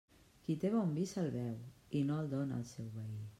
Qui té bon vi, se'l beu, i no el dóna al seu veí.